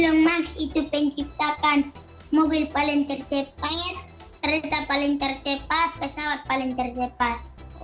elon musk itu penciptakan mobil paling tercepat kereta paling tercepat pesawat paling tercepat